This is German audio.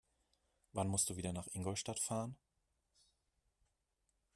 Wann musst du wieder nach Ingolstadt fahren?